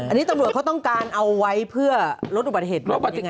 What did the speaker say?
อันนี้ตำรวจเขาต้องการเอาไว้เพื่อลดอุบัติเหตุ